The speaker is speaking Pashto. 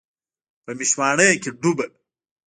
په میشواڼۍ کې ډوبه